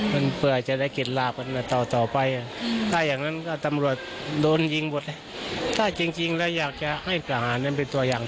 คุณพ่อบอกว่าให้ประหารเป็นเลยเป็นตัวอย่าง